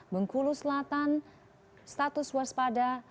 bengkulu selatan status waspada